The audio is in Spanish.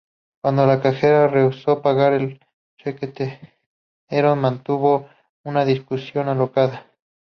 Cuando la cajera rehusó pagar el cheque, Theron mantuvo una discusión acalorada.